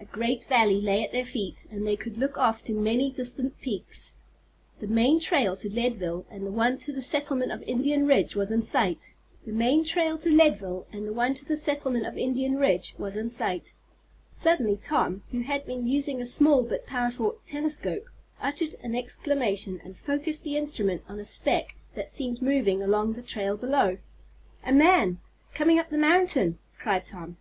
A great valley lay at their feet, and they could look off to many distant peaks. The main trail to Leadville, and the one to the settlement of Indian Ridge, was in sight. Suddenly Tom, who had been using a small but powerful telescope, uttered an exclamation, and focussed the instrument on a speck that seemed moving along on the trail below. "A man coming up the mountain," cried Tom.